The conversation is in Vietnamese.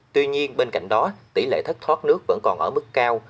tuy nhiên bên cạnh đó tỷ lệ thất thoát nước vẫn còn ở mức cao